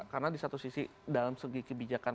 karena di satu sisi dalam segi kebijakan